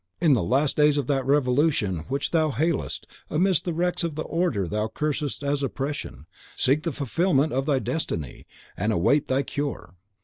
In the last days of that Revolution which thou hailest, amidst the wrecks of the Order thou cursest as Oppression, seek the fulfilment of thy destiny, and await thy cure.